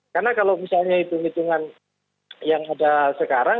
karena kalau misalnya itu hitungan yang ada sekarang